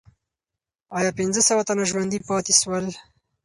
آیا پنځه سوه تنه ژوندي پاتې سول؟